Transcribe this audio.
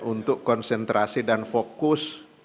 untuk konsentrasi dan fokus